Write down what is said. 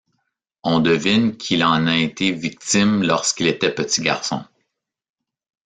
On devine qu'il en a été victime lorsqu'il était petit garçon.